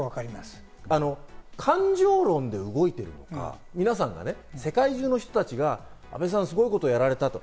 感情論で動いているのか、世界中の人たちが安倍さんはすごいことをやられたと。